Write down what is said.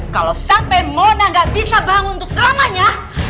kalo sampe mona gak bisa bangun untuk selamanya